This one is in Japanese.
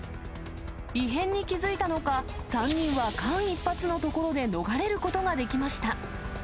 異変に気付いたのか、３人は間一髪のところで逃れることができました。